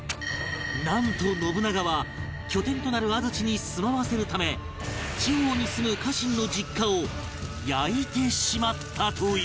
なんと信長は拠点となる安土に住まわせるため地方に住む家臣の実家を焼いてしまったという